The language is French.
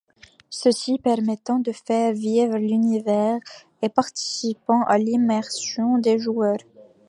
Ceci permettant de faire vivre l'univers et participant à l'immersion des joueurs.